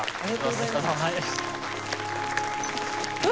お疲れさまです。